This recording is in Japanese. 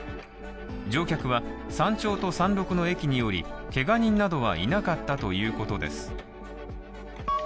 乗客は山頂と山麓の駅に降りけが人などはいなかったということです。